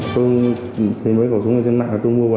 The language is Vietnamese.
tôi mới có súng này trên mạng tôi mua về tôi bắn